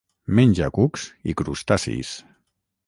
Menja cucs i crustacis.